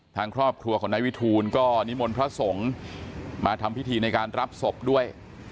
ทางครอบครัวของนายวิทูลก็นิมนต์พระสงฆ์มาทำพิธีในการรับศพด้วย